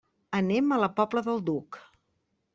Anem a la Pobla del Duc.